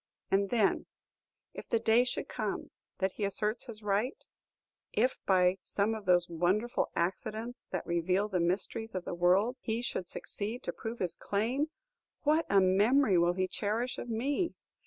And then, if the day should come that he asserts his right, if, by some of those wonderful accidents that reveal the mysteries of the world, he should succeed to prove his claim, what a memory will he cherish of _me!